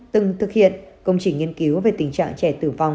từng thực hiện công trình nghiên cứu về tình trạng trẻ tử vong